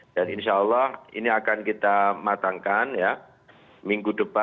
dan insya allah ini akan kita matangkan ya